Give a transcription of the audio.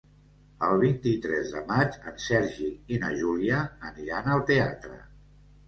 El vint-i-tres de maig en Sergi i na Júlia aniran al teatre.